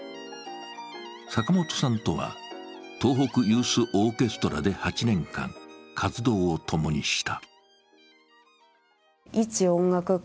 坂本さんとは東北ユースオーケストラで８年間、活動を共にした。